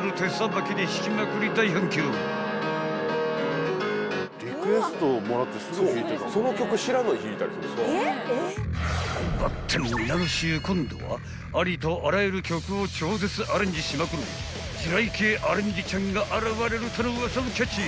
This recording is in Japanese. ［ばってん皆の衆今度はありとあらゆる曲を超絶アレンジしまくる地雷系アレンジちゃんが現れるとのウワサをキャッチ］